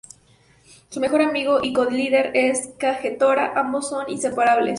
Su mejor amigo y co-líder es Kagetora, ambos son inseparables.